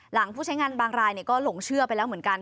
ผู้ใช้งานบางรายก็หลงเชื่อไปแล้วเหมือนกัน